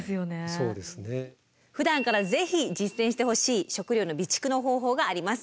そうですね。ふだんからぜひ実践してほしい食料の備蓄の方法があります。